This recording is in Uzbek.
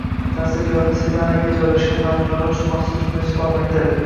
Tahsilgohi Setagayada joylashgan, nogironlar uchun maxsus munisipal maktab